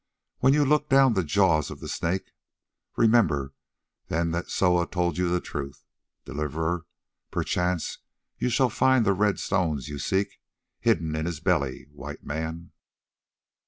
When you look down the jaws of the Snake, remember then that Soa told you the truth, Deliverer. Perchance you shall find the red stones you seek hidden in his belly, White Man."